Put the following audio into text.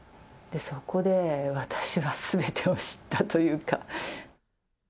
で、そこで、私はすべてを知ったというか。